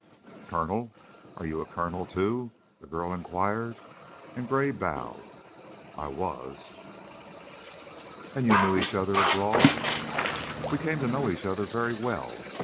"Colonel? Are you a colonel, too?" the girl inquired, and Gray bowed. "I was." "And you knew each other abroad?" "We came to know each other very well.